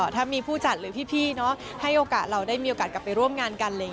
ถ้ามีผู้จัดหรือพี่ให้โอกาสเราได้มีโอกาสกลับไปร่วมงานกัน